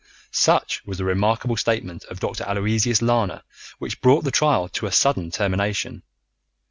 Such was the remarkable statement of Dr. Aloysius Lana which brought the trial to a sudden termination.